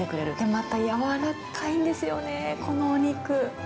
また柔らかいんですよね、このお肉。